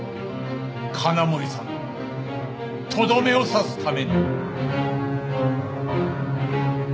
金森さんのとどめを刺すために。